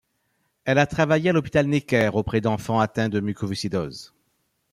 Elle a travaillé à l'hôpital Necker auprès d'enfants atteints de mucoviscidose.